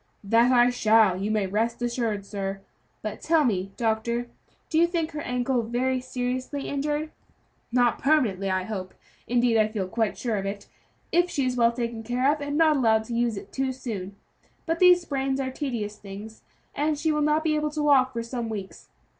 "That I shall, you may rest assured, sir; but tell me doctor, do you think her ankle very seriously injured?" "Not permanently, I hope; indeed, I feel quite sure of it, if she is well taken care of, and not allowed to use it too soon; but these sprains are tedious things, and she will not be able to walk for some weeks.